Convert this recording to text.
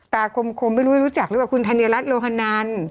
ตาคมไม่รู้จะรู้จักเลยว่าคุณธัญรัตน์โลฮานาน